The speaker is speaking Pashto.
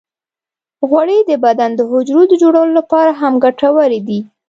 غوړې د بدن د حجرو د جوړولو لپاره هم ګټورې دي.